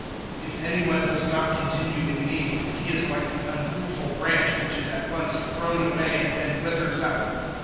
015:006 If any one does not continue in me, he is like the unfruitful branch which is at once thrown away and then withers up.